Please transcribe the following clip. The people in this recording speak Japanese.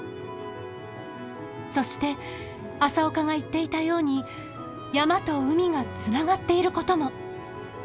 そして朝岡が言っていたように山と海がつながっていることも！